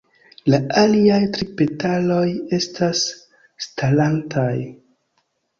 La aliaj tri petaloj estas starantaj.